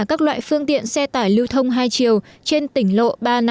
các loại phương tiện xe tải lưu thông hai chiều trên tỉnh lộ ba trăm năm mươi